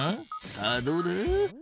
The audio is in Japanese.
さあどうだ？